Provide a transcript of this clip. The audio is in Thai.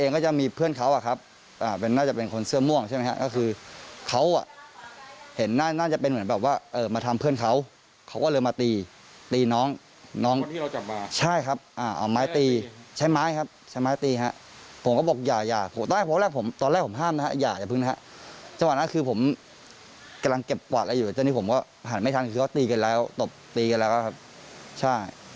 กำลังเก็บกวาดอะไรอยู่จนที่ผมก็หันไม่ทันคือเค้าตีกันแล้วตบตีกันแล้วครับใช่